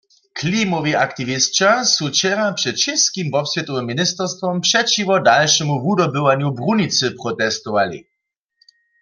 Klimowi aktiwisća su wčera před čěskim wobswětowym ministerstwom přećiwo dalšemu wudobywanju brunicy protestowali.